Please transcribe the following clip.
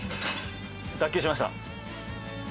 脱臼しました。